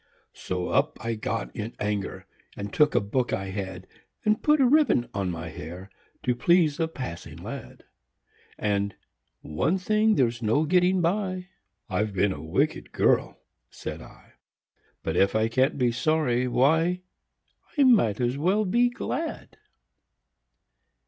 So up I got in anger, And took a book I had, And put a ribbon on my hair To please a passing lad. And, "One thing there's no getting by— I've been a wicked girl," said I; "But if I can't be sorry, why, I might as well be glad!"